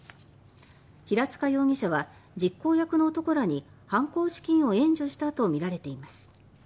平塚容疑者は実行役の男らに犯行資金を援助したとみられています。